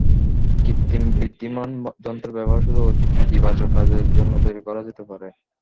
কৃত্রিম বুদ্ধিমান যন্ত্রের ব্যবহার শুধু ইতিবাচক কাজের জন্য তৈরি করা যেতে পারে।